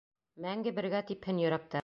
Мәңге бергә типһен йөрәктәр.